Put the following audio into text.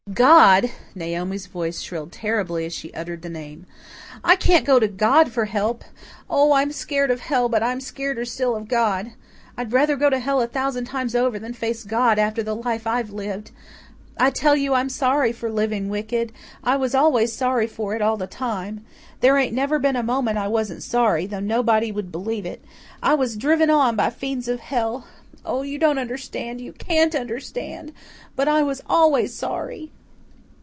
"God!" Naomi's voice shrilled terribly as she uttered the name. "I can't go to God for help. Oh, I'm skeered of hell, but I'm skeereder still of God. I'd rather go to hell a thousand times over than face God after the life I've lived. I tell you, I'm sorry for living wicked I was always sorry for it all the time. There ain't never been a moment I wasn't sorry, though nobody would believe it. I was driven on by fiends of hell. Oh, you don't understand you CAN'T understand but I was always sorry!"